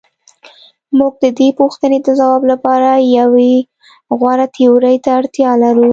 موږ د دې پوښتنې د ځواب لپاره یوې غوره تیورۍ ته اړتیا لرو.